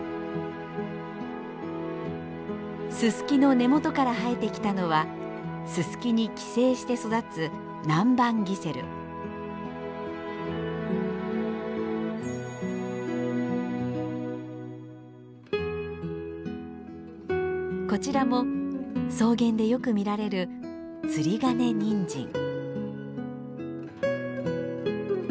ススキの根元から生えてきたのはススキに寄生して育つこちらも草原でよく見られるツリガネニンジン。